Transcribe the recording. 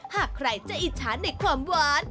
หากใครจะอิจฉาในความหวาน